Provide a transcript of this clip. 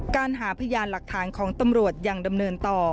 การหาพยานหลักฐานของตำรวจยังดำเนินต่อ